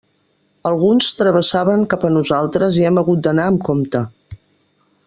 Alguns travessaven cap a nosaltres i hem hagut d'anar amb compte.